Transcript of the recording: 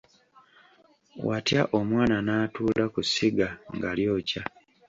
Watya omwana n’atuula ku sigga nga ly’okya?